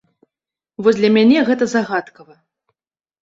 Вось для мяне гэта загадкава.